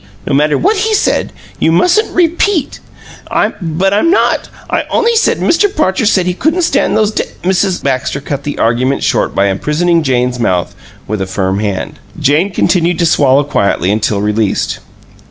No matter what he said, you mustn't repeat " "But I'm not. I only said Mr. PARCHER said he couldn't stand those d " Mrs. Baxter cut the argument short by imprisoning Jane's mouth with a firm hand. Jane continued to swallow quietly until released.